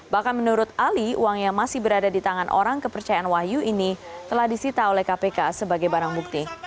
bahkan menurut ali uang yang masih berada di tangan orang kepercayaan wahyu ini telah disita oleh kpk sebagai barang bukti